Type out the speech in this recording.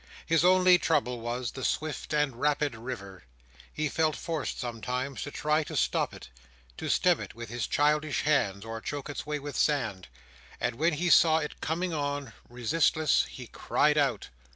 His only trouble was, the swift and rapid river. He felt forced, sometimes, to try to stop it—to stem it with his childish hands—or choke its way with sand—and when he saw it coming on, resistless, he cried out!